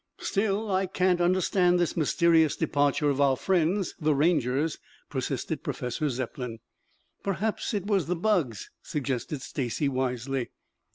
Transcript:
"Still, I can't understand this mysterious departure of our friends, the Rangers," persisted Professor Zepplin. "Perhaps it was the bugs," suggested Stacy wisely.